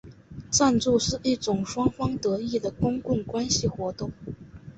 赞助是一种双方得益的公共关系活动。